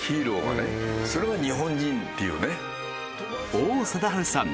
王貞治さん